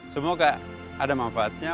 semoga ada manfaatnya